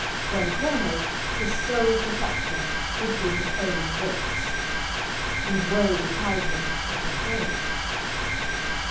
When cornered, his sole protector would be his own wits, and woe betide him if they failed!